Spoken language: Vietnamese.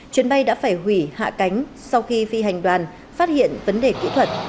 chuyến bay đã phải hủy hạ cánh sau khi phi hành đoàn phát hiện vấn đề kỹ thuật